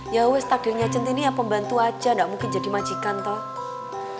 ya wes takdirnya centini yang pembantu aja nggak mungkin jadi majikan toh